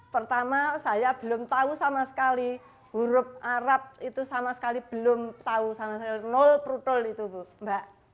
pertama saya belum tahu sama sekali huruf arab itu sama sekali belum tahu sama sekali nol prudel itu bu